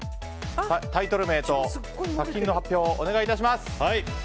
タイトル名と作品の発表をお願いします。